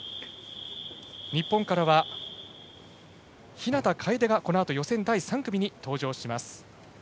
日本からは日向楓がこのあと予選第３組に登場します。